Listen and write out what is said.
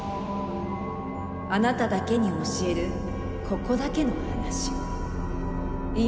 あなただけに教えるここだけの話。